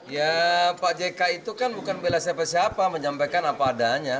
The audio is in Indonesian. ya pak jk itu kan bukan bela siapa siapa menyampaikan apa adanya